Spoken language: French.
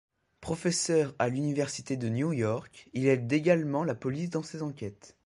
Professeur à l'Université de New York, il aide également la police dans ses enquêtes.